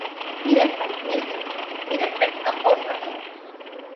He respects music, he respects composers.